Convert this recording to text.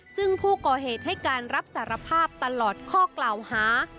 ซึ่งผู้ก่อเหตุให้การรับสารภาพตลอดข้อกล่าวหา